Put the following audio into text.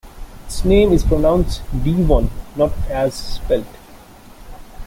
Its name is pronounced "Deevon", "not" as spelt.